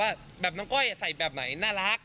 เราก็จะรู้ว่าแบบน้องก้อยใส่แบบไหนน่ารัก